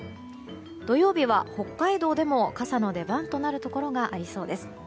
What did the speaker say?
土曜日は北海道でも傘の出番となるところがありそうです。